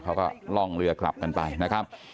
เขาก็ล่องเรือกลับกันไปนะครับ